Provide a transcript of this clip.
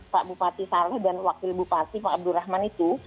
pak bupati saleh dan wakil bupati pak abdurrahman itu